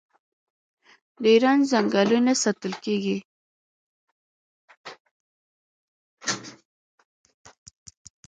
د ایران ځنګلونه ساتل کیږي.